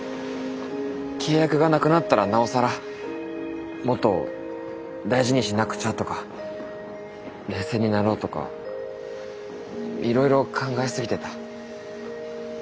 契約がなくなったらなおさらもっと大事にしなくちゃとか冷静になろうとかいろいろ考えすぎてた。